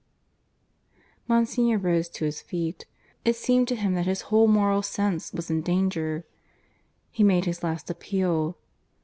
Monsignor rose to his feet. It seemed to him that his whole moral sense was in danger. He made his last appeal.